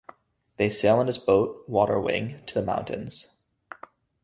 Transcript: They sail on his boat, "Waterwing" to the mountains.